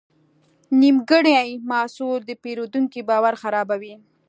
نیمګړی محصول د پیرودونکي باور خرابوي.